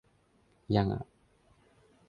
ยังอ่ะ